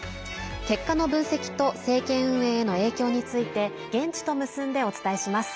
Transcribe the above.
結果の分析と政権運営への影響について現地と結んで、お伝えします。